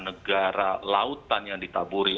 negara lautan yang ditaburi